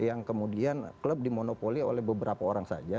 yang kemudian klub dimonopoli oleh beberapa orang saja